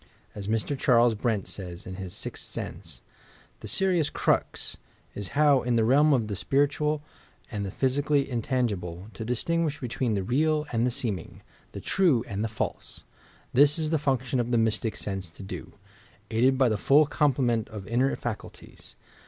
As Mr. Charles Brent says, in his Sixth Sense: "The serious crux is how, in the realm of the spiritual and the physically intan^ ble, to distinguish between the real and the seeming, the true and the false. This is the function of the Mystic Sense to do, aided by the full complement of inner facnltiea.